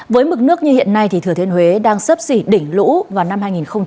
với mực nước như hiện nay thì thừa thiên huế đang sấp xỉ đỉnh lũ vào năm hai nghìn hai mươi